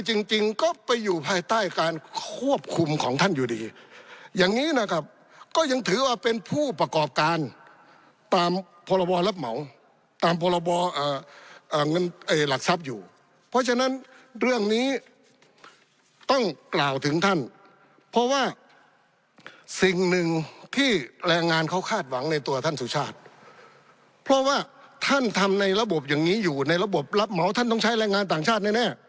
จริงจริงก็ไปอยู่ภายใต้การควบคุมของท่านอยู่ดีอย่างนี้นะครับก็ยังถือว่าเป็นผู้ประกอบการตามพรบรับเหมาตามพรบเงินหลักทรัพย์อยู่เพราะฉะนั้นเรื่องนี้ต้องกล่าวถึงท่านเพราะว่าสิ่งหนึ่งที่แรงงานเขาคาดหวังในตัวท่านสุชาติเพราะว่าท่านทำในระบบอย่างนี้อยู่ในระบบรับเหมาท่านต้องใช้แรงงานต่างชาติแน่